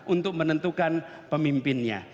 untuk menentukan pemimpinnya